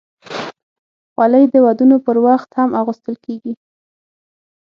خولۍ د ودونو پر وخت هم اغوستل کېږي.